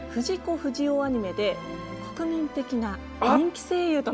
不二雄アニメで国民的な人気声優となる方。